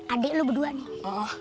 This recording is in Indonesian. adik lu berdua nih